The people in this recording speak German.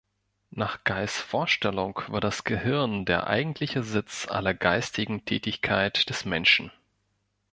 Nach Galls Vorstellung war das Gehirn der eigentliche Sitz aller geistigen Tätigkeit des Menschen.